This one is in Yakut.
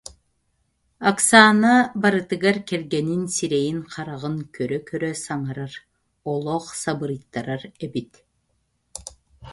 Оксана барытыгар кэргэнин сирэйин-хараҕын көрө-көрө саҥарар, олох сабырыйтарар эбит